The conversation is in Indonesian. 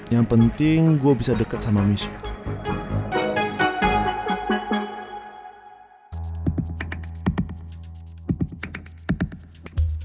yang penting gua bisa deket sama michelle